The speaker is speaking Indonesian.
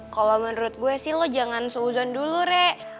kalo menurut gue sih lo jangan sehuzan dulu rek